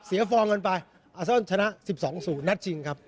เสียฟองกันไปอัลเซินชนะ๑๒๐นัดจริงครับ